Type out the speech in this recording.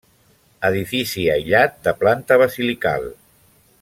Edifici aïllat de planta basilical.